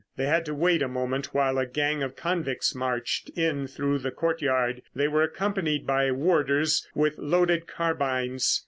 They had to wait a moment while a gang of convicts marched in through the courtyard. They were accompanied by warders with loaded carbines.